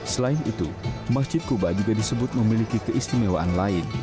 selain itu masjid kuba juga disebut memiliki keistimewaan lain